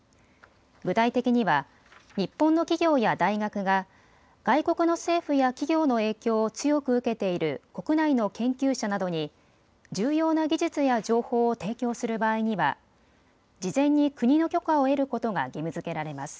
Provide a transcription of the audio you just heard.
具体的には日本の企業や大学が外国の政府や企業の影響を強く受けている国内の研究者などに重要な技術や情報を提供する場合には事前に国の許可を得ることが義務づけられます。